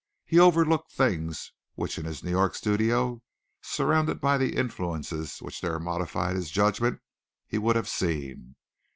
He overlooked things which in his New York studio, surrounded by the influences which there modified his judgment, he would have seen.